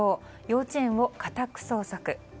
幼稚園を家宅捜索。